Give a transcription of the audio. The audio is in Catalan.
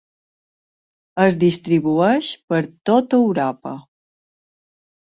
Es distribueix per tot Europa.